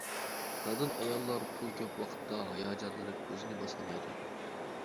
نادان ئاياللار پۇل كۆپ ۋاقىتتا ھاياجانلىنىپ ئۆزىنى باسالمايدۇ.